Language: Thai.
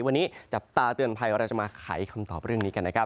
วันนี้จับตาเตือนภัยเราจะมาไขคำตอบเรื่องนี้กันนะครับ